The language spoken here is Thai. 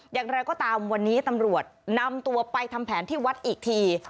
อย่างไรก็ตามวันนี้ตำรวจนำตัวไปทำแผนที่วัดอีกที